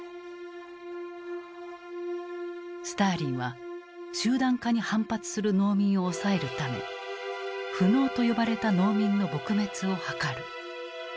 スターリンは集団化に反発する農民を抑えるため「富農」と呼ばれた農民の撲滅を図る。